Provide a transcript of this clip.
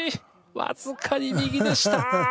僅かに右でした。